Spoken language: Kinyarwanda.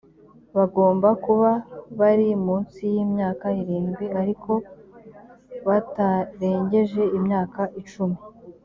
bagomba kuba bari munsi y imyaka irindwi ariko batarengeje imyaka icumi